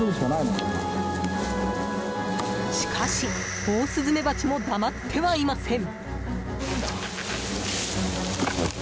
しかし、オオスズメバチも黙ってはいません。